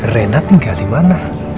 rena tinggal dimana